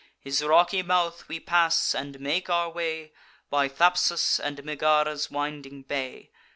His rocky mouth we pass, and make our way By Thapsus and Megara's winding bay.